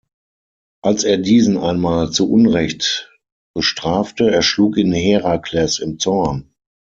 Als er diesen einmal zu unrecht bestrafte, erschlug ihn Herakles im Zorn.